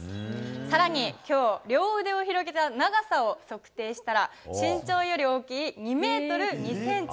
さらに、きょう、両腕を広げた長さを測定したら、身長より大きい２メートル２センチ。